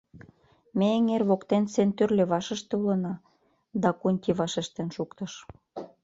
— Ме эҥер воктенсе эн тӱр левашыште улына, — Дакунти вашештен шуктыш.